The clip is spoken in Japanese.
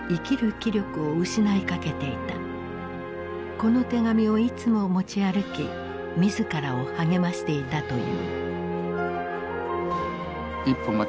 この手紙をいつも持ち歩き自らを励ましていたという。